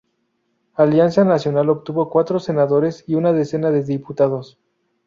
Alianza Nacional obtuvo cuatro senadores y una decena de diputados.